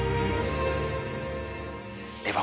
では